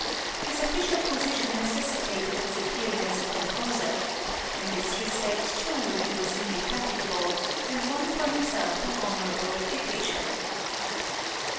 His official position necessitated his appearing as a composer; in this respect, too, he was indefatigable, and won for himself an honourable reputation.